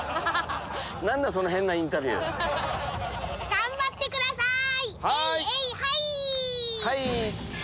頑張ってください！